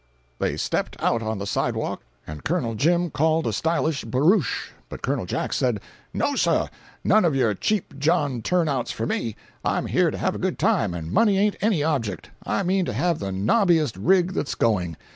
They stepped out on the sidewalk, and Col. Jim called a stylish barouche. But Col. Jack said: "No, sir! None of your cheap John turn outs for me. I'm here to have a good time, and money ain't any object. I mean to have the nobbiest rig that's going.